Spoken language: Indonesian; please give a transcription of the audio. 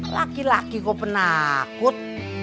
laki laki kok penakut